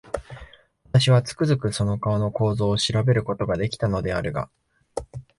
私は、つくづくその顔の構造を調べる事が出来たのであるが、